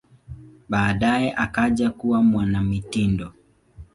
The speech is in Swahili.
Baadaye akaja kuwa mwanamitindo.